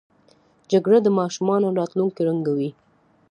جګړه د ماشومانو راتلونکی ړنګوي